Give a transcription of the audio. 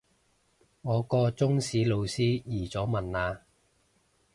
我個中史老師移咗民喇